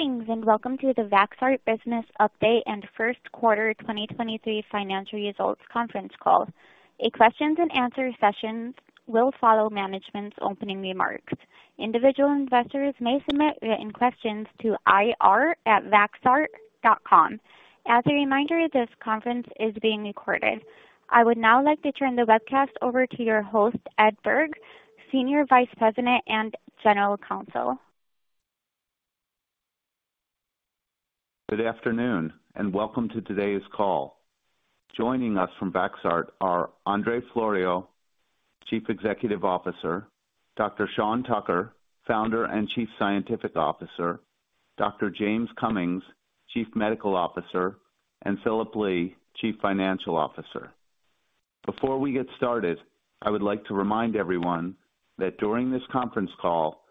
Greetings, and welcome to the Vaxart Business Update and First Quarter 2023 Financial Results conference call. A questions and answer session will follow management's opening remarks. Individual investors may submit written questions to ir@vaxart.com. As a reminder, this conference is being recorded. I would now like to turn the webcast over to your host, Ed Berg, Senior Vice President and General Counsel. Good afternoon, welcome to today's call. Joining us from Vaxart are Andrei Floroiu, Chief Executive Officer, Dr. Sean Tucker, Founder and Chief Scientific Officer, Dr. James Cummings, Chief Medical Officer, and Phillip Lee, Chief Financial Officer. Before we get started, I would like to remind everyone that during this conference call,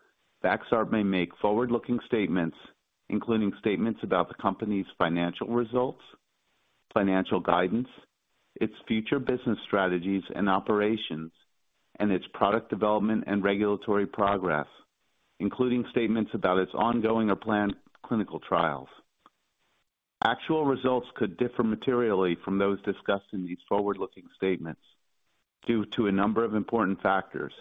Vaxart may make forward-looking statements, including statements about the company's financial results, financial guidance, its future business strategies and operations, and its product development and regulatory progress, including statements about its ongoing or planned clinical trials. Actual results could differ materially from those discussed in these forward-looking statements due to a number of important factors,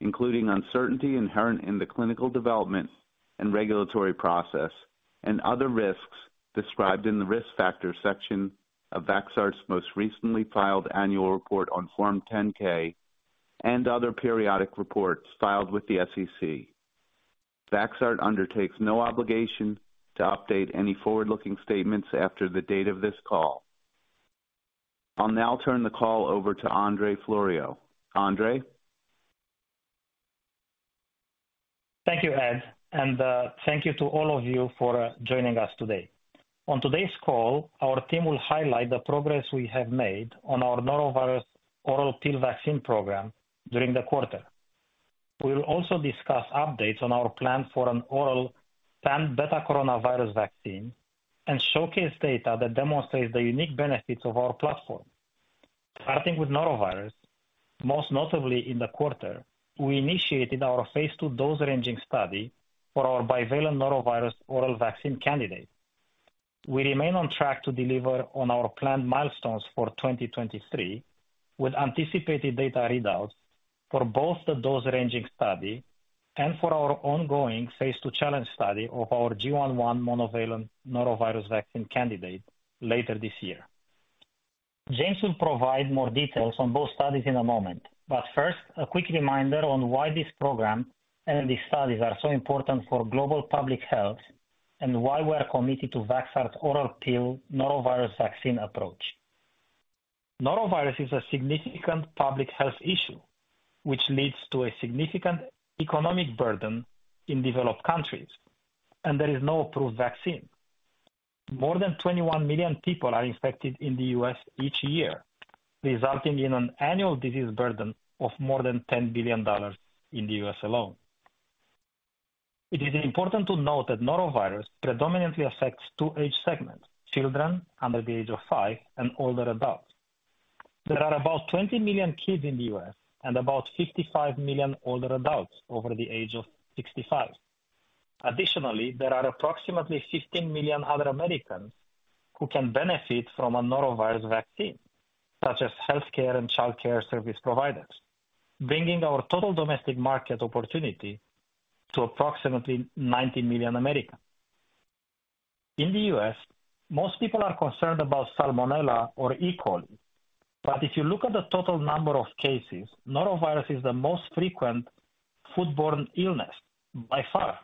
including uncertainty inherent in the clinical development and regulatory process, and other risks described in the Risk Factors section of Vaxart's most recently filed annual report on Form 10-K and other periodic reports filed with the SEC. Vaxart undertakes no obligation to update any forward-looking statements after the date of this call. I'll now turn the call over to Andrei Floroiu. Andrei? Thank you, Edward Berg. Thank you to all of you for joining us today. On today's call, our team will highlight the progress we have made on our norovirus oral pill vaccine program during the quarter. We'll also discuss updates on our plan for an oral pan-betacoronavirus vaccine and showcase data that demonstrates the unique benefits of our platform. Starting with norovirus, most notably in the quarter, we initiated our phase II dose ranging study for our bivalent norovirus oral vaccine candidate. We remain on track to deliver on our planned milestones for 2023, with anticipated data readouts for both the dose ranging study and for our ongoing phase II challenge study of our GI.1 monovalent norovirus vaccine candidate later this year. James will provide more details on both studies in a moment. First, a quick reminder on why this program and these studies are so important for global public health and why we're committed to Vaxart oral pill norovirus vaccine approach. Norovirus is a significant public health issue, which leads to a significant economic burden in developed countries. There is no approved vaccine. More than 21 million people are infected in the U.S. each year, resulting in an annual disease burden of more than $10 billion in the U.S. alone. It is important to note that norovirus predominantly affects two age segments, children under the age of 5 and older adults. There are about 20 million kids in the U.S. and about 55 million older adults over the age of 65. There are approximately 15 million other Americans who can benefit from a norovirus vaccine, such as healthcare and childcare service providers, bringing our total domestic market opportunity to approximately 90 million Americans. In the U.S., most people are concerned about salmonella or E. coli. If you look at the total number of cases, norovirus is the most frequent foodborne illness by far.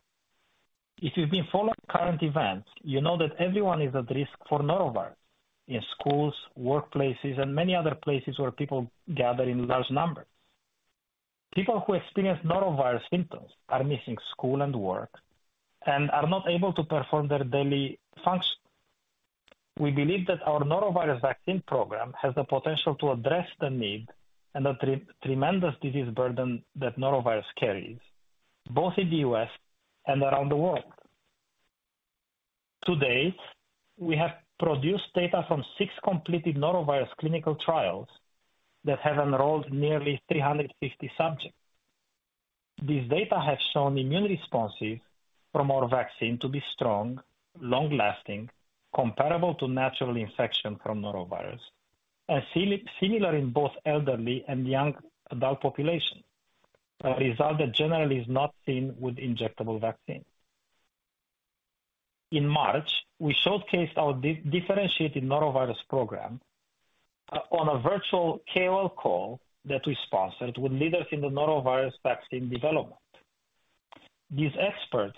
If you've been following current events, you know that everyone is at risk for norovirus in schools, workplaces, and many other places where people gather in large numbers. People who experience norovirus symptoms are missing school and work and are not able to perform their daily functions. We believe that our norovirus vaccine program has the potential to address the need and the tremendous disease burden that norovirus carries, both in the U.S. and around the world. To date, we have produced data from 6 completed norovirus clinical trials that have enrolled nearly 350 subjects. These data have shown immune responses from our vaccine to be strong, long-lasting, comparable to natural infection from norovirus and similar in both elderly and young adult population, a result that generally is not seen with injectable vaccines. In March, we showcased our differentiated norovirus program on a virtual KOL call that we sponsored with leaders in the norovirus vaccine development. These experts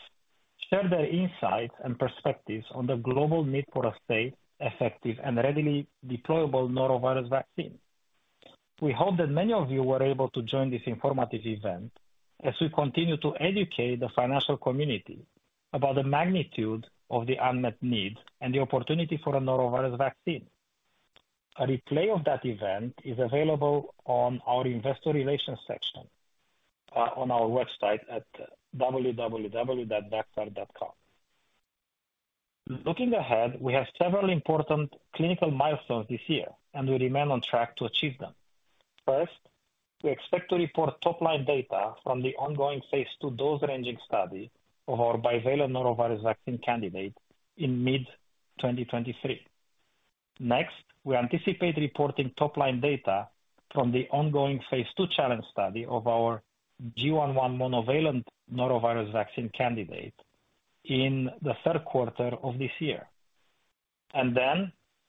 shared their insights and perspectives on the global need for a safe, effective, and readily deployable norovirus vaccine. We hope that many of you were able to join this informative event as we continue to educate the financial community about the magnitude of the unmet need and the opportunity for a norovirus vaccine. A replay of that event is available on our investor relations section, on our website at www.vaxart.com. Looking ahead, we have several important clinical milestones this year, and we remain on track to achieve them. First, we expect to report top-line data from the ongoing phase II dose-ranging study of our bivalent norovirus vaccine candidate in mid-2023. Next, we anticipate reporting top-line data from the ongoing phase II challenge study of our GII.1 monovalent norovirus vaccine candidate in the third quarter of this year.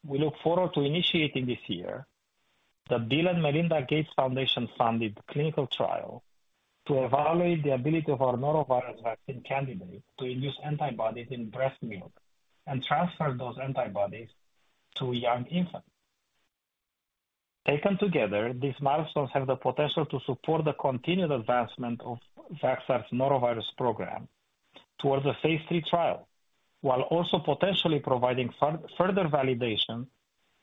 We look forward to initiating this year the Bill & Melinda Gates Foundation funded clinical trial to evaluate the ability of our norovirus vaccine candidate to induce antibodies in breast milk and transfer those antibodies to young infants. Taken together, these milestones have the potential to support the continued advancement of Vaxart's norovirus program towards a phase III trial, while also potentially providing further validation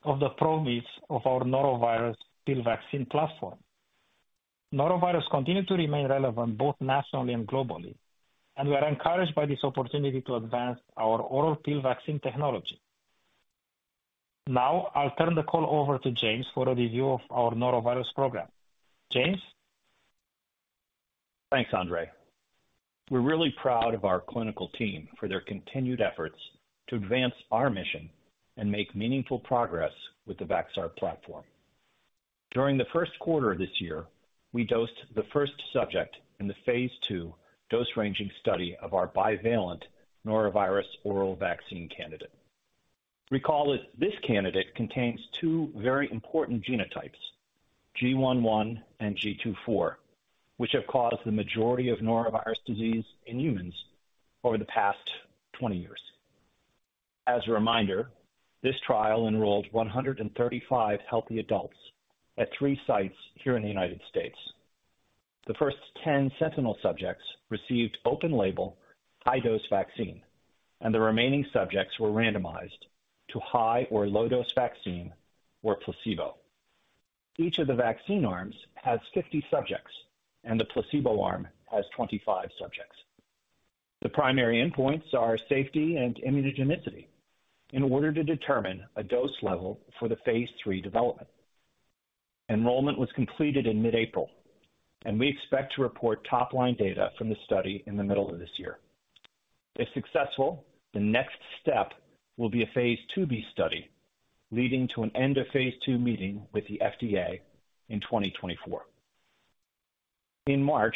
of the promise of our norovirus pill vaccine platform. Norovirus continue to remain relevant both nationally and globally, we are encouraged by this opportunity to advance our oral pill vaccine technology. I'll turn the call over to James for a review of our norovirus program. James? Thanks, Andrei. We're really proud of our clinical team for their continued efforts to advance our mission and make meaningful progress with the Vaxart platform. During the first quarter of this year, we dosed the first subject in the phase II dose-ranging study of our bivalent norovirus oral vaccine candidate. Recall that this candidate contains two very important genotypes, GI.1 and GII.4, which have caused the majority of norovirus disease in humans over the past 20 years. As a reminder, this trial enrolled 135 healthy adults at 3 sites here in the United States. The first 10 sentinel subjects received open label, high dose vaccine, and the remaining subjects were randomized to high or low dose vaccine or placebo. Each of the vaccine arms has 50 subjects, and the placebo arm has 25 subjects. The primary endpoints are safety and immunogenicity in order to determine a dose level for the phase III development. Enrollment was completed in mid-April, and we expect to report top line data from the study in the middle of this year. If successful, the next step will be a phase IIb study leading to an end of phase II meeting with the FDA in 2024. In March,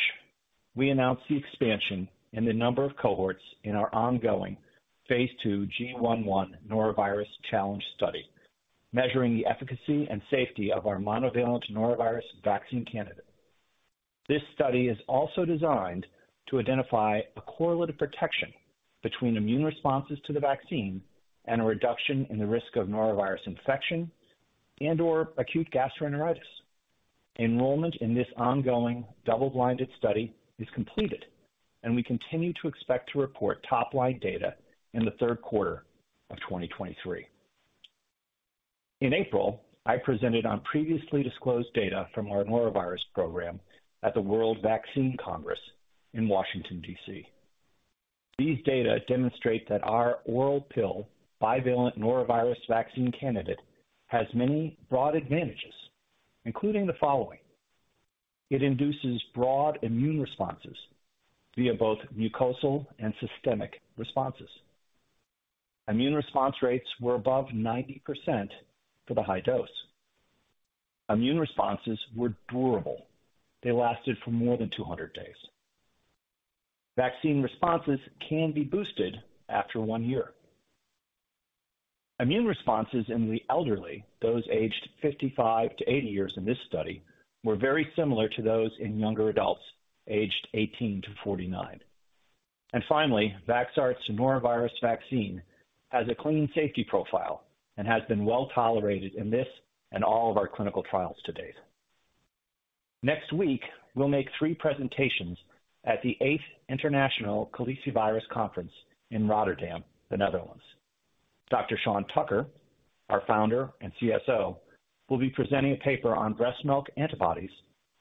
we announced the expansion in the number of cohorts in our ongoing phase II GI.1 norovirus challenge study, measuring the efficacy and safety of our monovalent norovirus vaccine candidate. This study is also designed to identify a correlative protection between immune responses to the vaccine and a reduction in the risk of norovirus infection and/or acute gastroenteritis. Enrollment in this ongoing double-blinded study is completed, we continue to expect to report top line data in the third quarter of 2023. In April, I presented on previously disclosed data from our norovirus program at the World Vaccine Congress in Washington, D.C. These data demonstrate that our oral pill bivalent norovirus vaccine candidate has many broad advantages, including the following. It induces broad immune responses via both mucosal and systemic responses. Immune response rates were above 90% for the high dose. Immune responses were durable. They lasted for more than 200 days. Vaccine responses can be boosted after one year. Immune responses in the elderly, those aged 55-80 years in this study, were very similar to those in younger adults aged 18-49. Finally, Vaxart's norovirus vaccine has a clean safety profile and has been well tolerated in this and all of our clinical trials to date. Next week, we'll make three presentations at the Eighth International Calicivirus Conference in Rotterdam, the Netherlands. Dr. Sean Tucker, our founder and CSO, will be presenting a paper on breast milk antibodies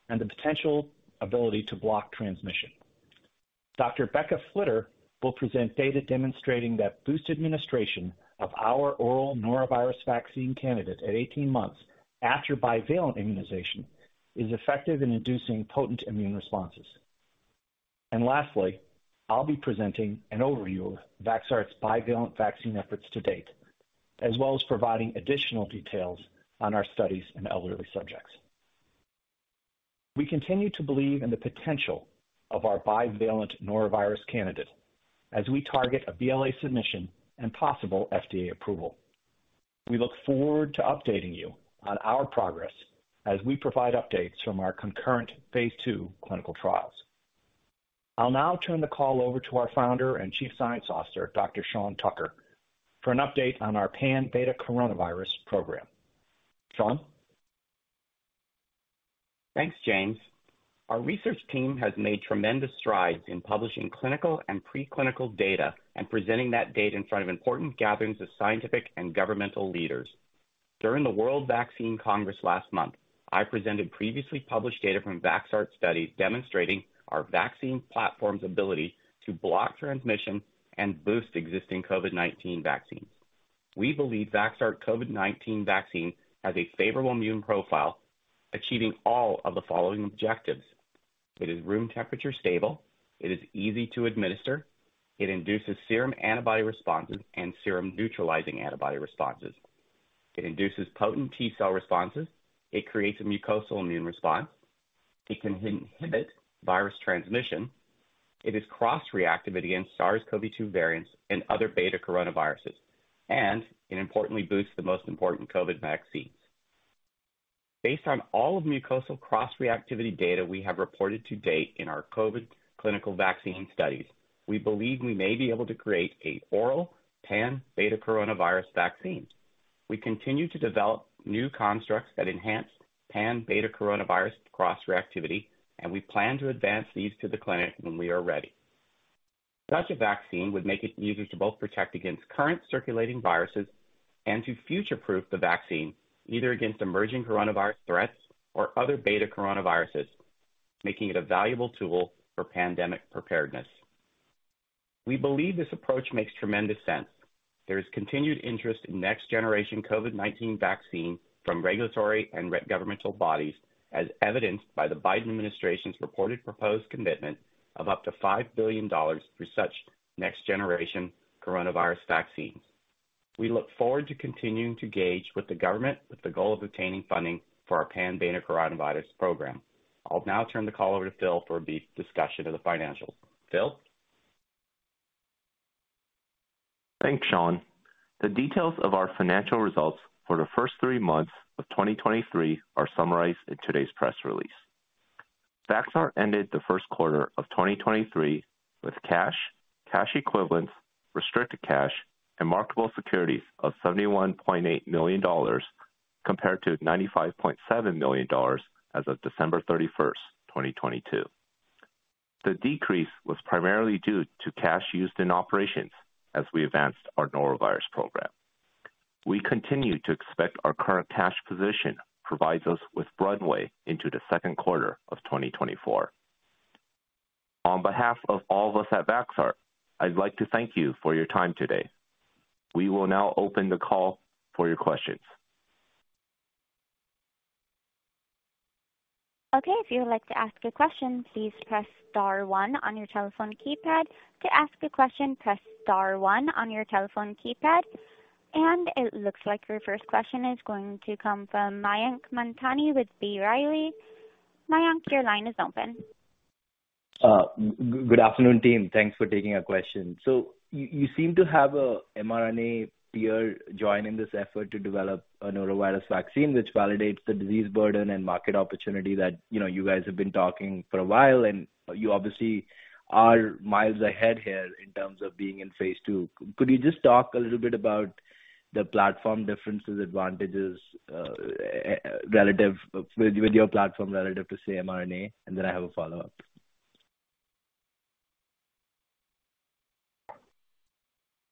and the potential ability to block transmission. Dr. Becca Flitter will present data demonstrating that boost administration of our oral norovirus vaccine candidate at 18 months after bivalent immunization is effective in inducing potent immune responses. Lastly, I'll be presenting an overview of Vaxart's bivalent vaccine efforts to date, as well as providing additional details on our studies in elderly subjects. We continue to believe in the potential of our bivalent norovirus candidate as we target a BLA submission and possible FDA approval. We look forward to updating you on our progress as we provide updates from our concurrent phase II clinical trials. I'll now turn the call over to our Founder and Chief Science Officer, Dr. Sean Tucker, for an update on our pan-betacoronavirus program. Sean? Thanks, James. Our research team has made tremendous strides in publishing clinical and pre-clinical data and presenting that data in front of important gatherings of scientific and governmental leaders. During the World Vaccine Congress last month, I presented previously published data from Vaxart studies demonstrating our vaccine platform's ability to block transmission and boost existing COVID-19 vaccines. We believe Vaxart COVID-19 vaccine has a favorable immune profile, achieving all of the following objectives. It is room temperature stable. It is easy to administer. It induces serum antibody responses and serum neutralizing antibody responses. It induces potent T-cell responses. It creates a mucosal immune response. It can inhibit virus transmission. It is cross-reactive against SARS-CoV-2 variants and other betacoronaviruses. It importantly boosts the most important COVID vaccines. Based on all of the mucosal cross-reactivity data we have reported to date in our COVID clinical vaccine studies, we believe we may be able to create an oral pan-betacoronavirus vaccine. We continue to develop new constructs that enhance pan-betacoronavirus cross-reactivity, and we plan to advance these to the clinic when we are ready. Such a vaccine would make users to both protect against current circulating viruses and to future-proof the vaccine either against emerging coronavirus threats or other betacoronaviruses, making it a valuable tool for pandemic preparedness. We believe this approach makes tremendous sense. There is continued interest in next-generation COVID-19 vaccine from regulatory and governmental bodies, as evidenced by the Biden administration's reported proposed commitment of up to $5 billion for such next-generation coronavirus vaccines. We look forward to continuing to gauge with the government with the goal of obtaining funding for our pan-betacoronavirus program. I'll now turn the call over to Phil for a brief discussion of the financials. Phil? Thanks, Sean. The details of our financial results for the first 3 months of 2023 are summarized in today's press release. Vaxart ended the first quarter of 2023 with cash equivalents, restricted cash, and marketable securities of $71.8 million, compared to $95.7 million as of December 31, 2022. The decrease was primarily due to cash used in operations as we advanced our norovirus program. We continue to expect our current cash position provides us with runway into the second quarter of 2024. On behalf of all of us at Vaxart, I'd like to thank you for your time today. We will now open the call for your questions. Okay, if you would like to ask a question, please press star one on your telephone keypad. To ask a question, press star one on your telephone keypad. It looks like your first question is going to come from Mayank Mamtani with B. Riley. Mayank, your line is open. Good afternoon, team. Thanks for taking our question. You seem to have a mRNA peer join in this effort to develop a norovirus vaccine, which validates the disease burden and market opportunity that, you know, you guys have been talking for a while, and you obviously are miles ahead here in terms of being in phase II. Could you just talk a little bit about the platform differences, advantages, with your platform relative to say, mRNA? Then I have a follow-up.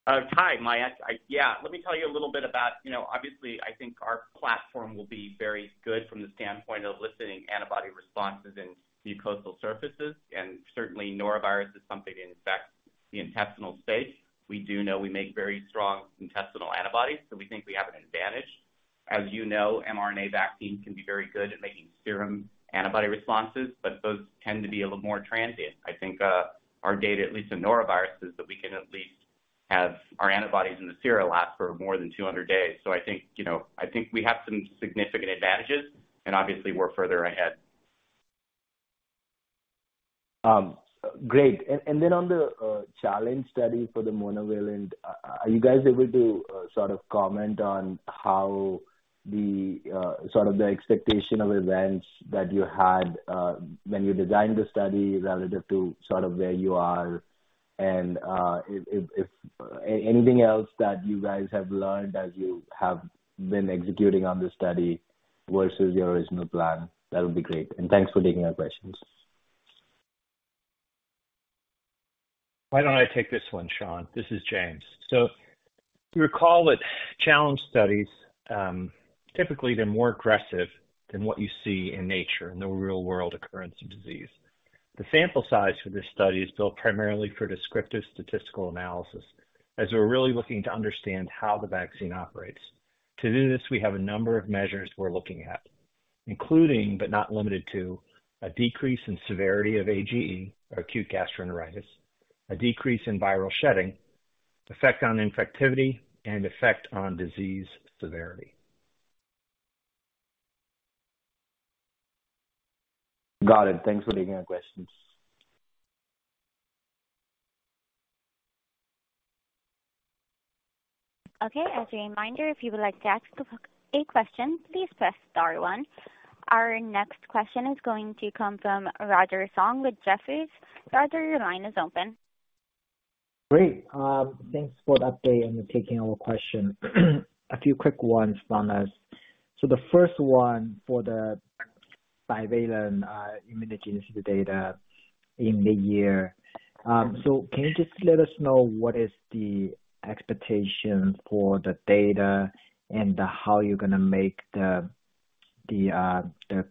Hi, Mayank. Yeah, let me tell you a little bit about, you know, obviously, I think our platform will be very good from the standpoint of eliciting antibody responses in mucosal surfaces. Certainly norovirus is something that infects the intestinal space. We do know we make very strong intestinal antibodies, so we think we have an advantage. As you know, mRNA vaccine can be very good at making serum antibody responses, but those tend to be a little more transient. I think, our data, at least in norovirus, is that we can at least have our antibodies in the serum last for more than 200 days. I think, you know, I think we have some significant advantages and obviously we're further ahead. Great. Then on the challenge study for the monovalent, are you guys able to sort of comment on how the sort of the expectation of events that you had when you designed the study relative to sort of where you are? If anything else that you guys have learned as you have been executing on this study versus your original plan, that would be great. Thanks for taking our questions. Why don't I take this one, Sean? This is James. You recall that challenge studies, typically they're more aggressive than what you see in nature in the real world occurrence of disease. The sample size for this study is built primarily for descriptive statistical analysis, as we're really looking to understand how the vaccine operates. To do this, we have a number of measures we're looking at, including but not limited to a decrease in severity of AGE, or acute gastroenteritis, a decrease in viral shedding, effect on infectivity, and effect on disease severity. Got it. Thanks for taking our questions. Okay. As a reminder, if you would like to ask a question, please press star one. Our next question is going to come from Roger Song with Jefferies. Roger, your line is open. Great. Thanks for the update and taking our question. A few quick ones from us. The first one for the Bivalent immunogenicity data in mid-year. Can you just let us know what is the expectation for the data and how you're gonna make the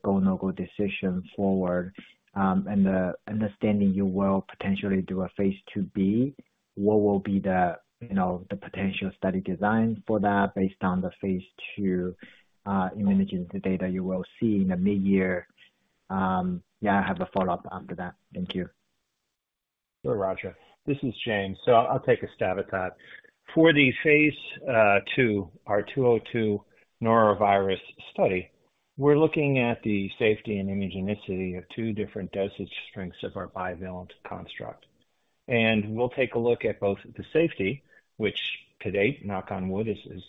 go/no go decision forward, and the understanding you will potentially do a phase IIb, what will be the, you know, the potential study design for that based on the phase II immunogenicity data you will see in the mid-year? Yeah, I have a follow-up after that. Thank you. Sure, Roger. This is James. I'll take a stab at that. For the phase II, our 202 norovirus study, we're looking at the safety and immunogenicity of 2 different dosage strengths of our bivalent construct. We'll take a look at both the safety, which to date, knock on wood, is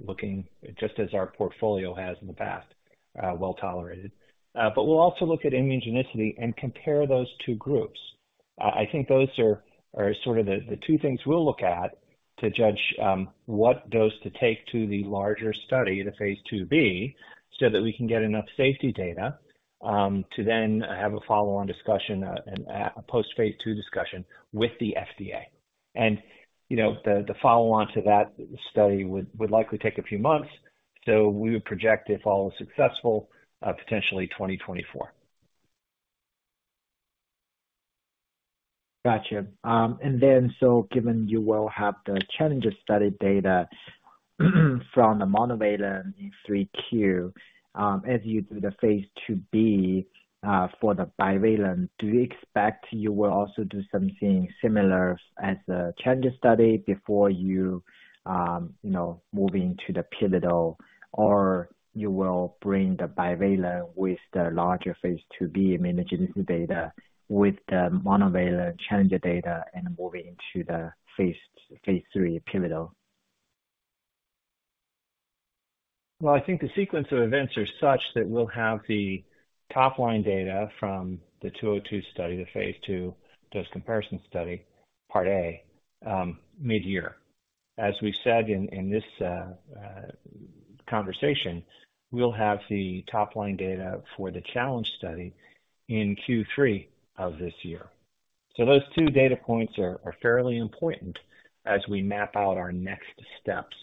looking just as our portfolio has in the past, well-tolerated. We'll also look at immunogenicity and compare those two groups. I think those are sort of the 2 things we'll look at to judge what dose to take to the larger study, the phase IIb, so that we can get enough safety data to then have a follow-on discussion, a post phase II discussion with the FDA. You know, the follow-on to that study would likely take a few months, so we would project, if all is successful, potentially 2024. Gotcha. Given you will have the challenger study data from the monovalent in 3Q, as you do the phase IIb, for the bivalent, do you expect you will also do something similar as the challenger study before you know, move into the pivotal, or you will bring the bivalent with the larger phase IIb immunogenicity data with the monovalent challenger data and move into the phase III pivotal? Well, I think the sequence of events are such that we'll have the top line data from the 202 study, the phase II dose comparison study part A, mid-year. As we've said in this conversation, we'll have the top line data for the challenge study in Q3 of this year. Those two data points are fairly important as we map out our next steps.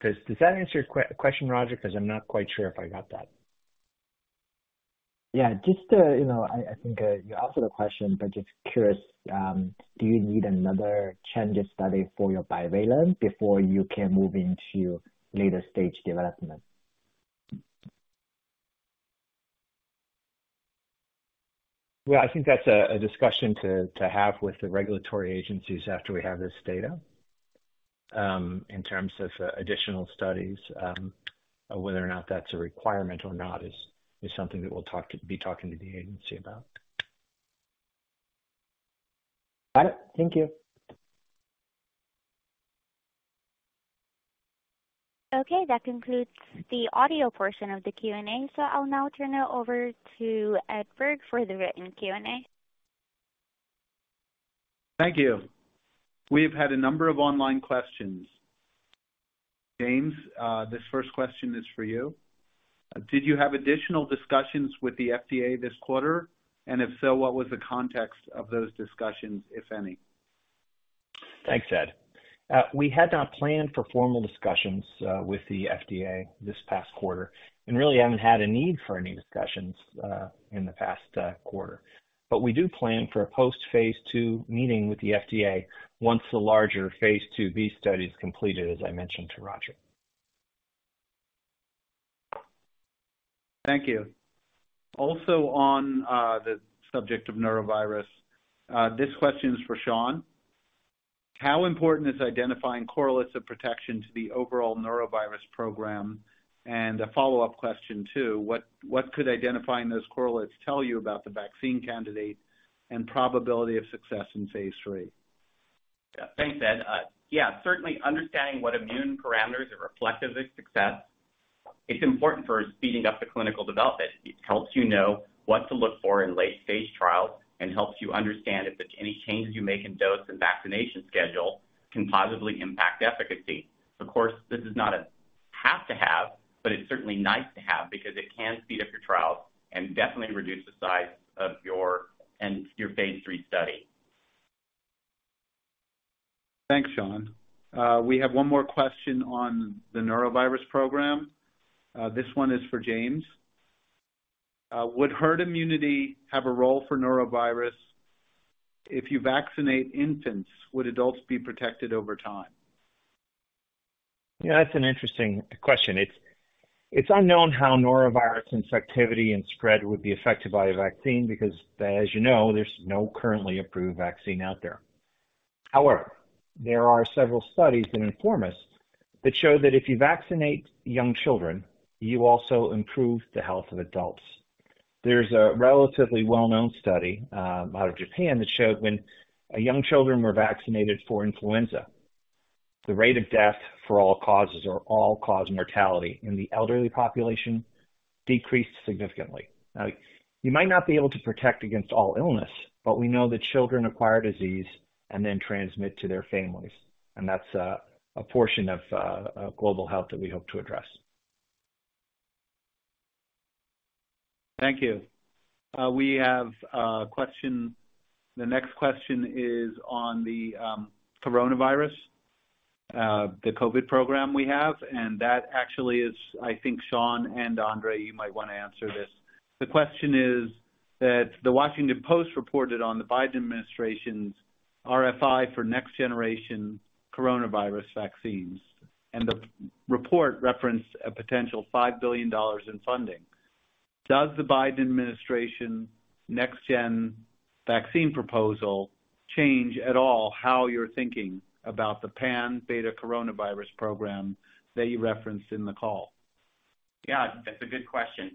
'Cause does that answer your question, Roger? 'Cause I'm not quite sure if I got that. Yeah. Just to, you know, I think you answered the question, but just curious, do you need another challenger study for your bivalent before you can move into later stage development? Well, I think that's a discussion to have with the regulatory agencies after we have this data, in terms of additional studies. Whether or not that's a requirement or not is something that we'll be talking to the agency about. Got it. Thank you. Okay. That concludes the audio portion of the Q&A. I'll now turn it over to Edward for the written Q&A. Thank you. We've had a number of online questions. James, this first question is for you. Did you have additional discussions with the FDA this quarter? If so, what was the context of those discussions, if any? Thanks, Ed. We had not planned for formal discussions with the FDA this past quarter, and really haven't had a need for any discussions in the past quarter. We do plan for a post-phase II meeting with the FDA once the larger phase IIb study is completed, as I mentioned to Roger. Thank you. Also on, the subject of norovirus, this question is for Sean. How important is identifying correlates of protection to the overall norovirus program? A follow-up question too, what could identifying those correlates tell you about the vaccine candidate and probability of success in phase III? Thanks, Ed. Certainly understanding what immune parameters are reflective of success, it's important for speeding up the clinical development. It helps you know what to look for in late-stage trials and helps you understand if any changes you make in dose and vaccination schedule can positively impact efficacy. Of course, this is not a have to have, but it's certainly nice to have because it can speed up your trials and definitely reduce the size of your phase III study. Thanks, Sean. We have one more question on the norovirus program. This one is for James. Would herd immunity have a role for norovirus? If you vaccinate infants, would adults be protected over time? Yeah, that's an interesting question. It's, it's unknown how norovirus infectivity and spread would be affected by a vaccine because as you know, there's no currently approved vaccine out there. However, there are several studies that inform us that show that if you vaccinate young children, you also improve the health of adults. There's a relatively well-known study out of Japan that showed when young children were vaccinated for influenza, the rate of death for all causes or all-cause mortality in the elderly population decreased significantly. Now, you might not be able to protect against all illness, but we know that children acquire disease and then transmit to their families, and that's a portion of global health that we hope to address. Thank you. We have a question. The next question is on the coronavirus, the COVID program we have, and that actually is, I think, Sean and Andrei, you might want to answer this. The question is that The Washington Post reported on the Biden administration's RFI for next generation coronavirus vaccines, and the report referenced a potential $5 billion in funding. Does the Biden administration next gen vaccine proposal change at all how you're thinking about the pan-betacoronavirus program that you referenced in the call? Yeah, that's a good question.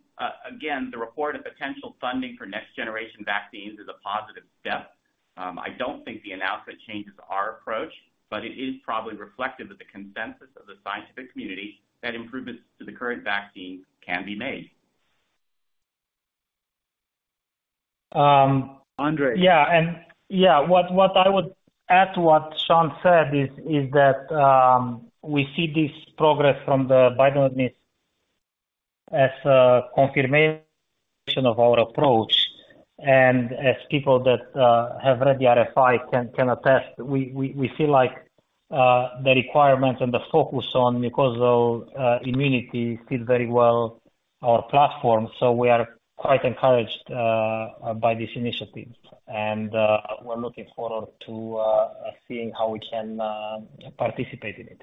Again, the report of potential funding for next generation vaccines is a positive step. I don't think the announcement changes our approach, but it is probably reflective of the consensus of the scientific community that improvements to the current vaccine can be made. Andrei? Yeah. What I would add to what Sean said is that we see this progress from the Biden admin as a confirmation of our approach. As people that have read the RFI can attest, we feel like the requirements and the focus on mucosal immunity fit very well our platform. We are quite encouraged by this initiative and we're looking forward to seeing how we can participate in it.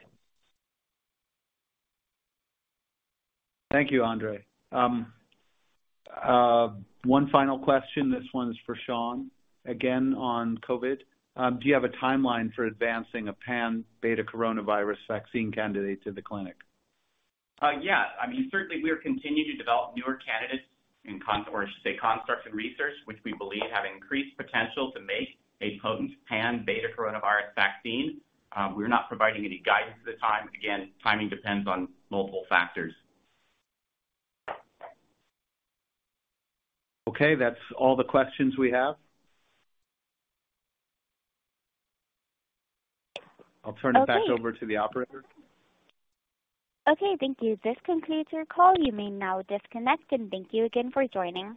Thank you, Andrei. One final question. This one's for Sean. Again on COVID. Do you have a timeline for advancing a pan-betacoronavirus vaccine candidate to the clinic? Yeah. I mean, certainly we're continuing to develop newer candidates or I should say constructs and research, which we believe have increased potential to make a potent pan-betacoronavirus vaccine. We're not providing any guidance at this time. Again, timing depends on multiple factors. Okay. That's all the questions we have. I'll turn it back over to the operator. Okay, thank you. This concludes your call. You may now disconnect and thank you again for joining.